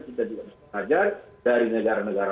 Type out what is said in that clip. kita juga bisa mengajar dari negara negara